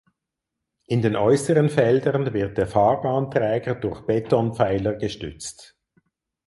In den äußeren Feldern wird der Fahrbahnträger durch Betonpfeiler gestützt.